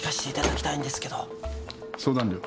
相談料。